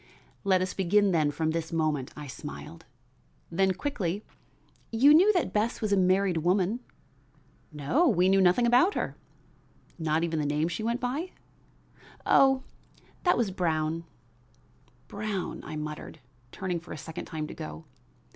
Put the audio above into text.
"Let us begin then from this moment," I smiled; then quickly: "You knew that Bess was a married woman." "No, we knew nothing about her." "Not even the name she went by?" "Oh, that was Brown." "Brown," I muttered, turning for a second time to go.